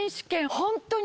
本当に。